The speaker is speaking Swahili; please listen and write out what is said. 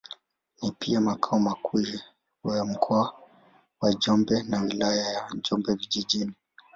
Ni pia makao makuu ya Mkoa wa Njombe na Wilaya ya Njombe Vijijini.